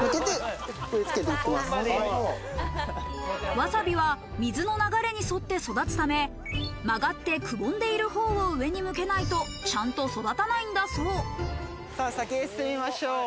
わさびは水の流れに沿って育つため、曲がって、くぼんでいるほうを上に向けないと、ちゃんと育たないんだそう。